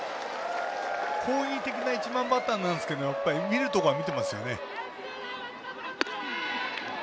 攻撃的な１番バッターですけど見るところは見てますね。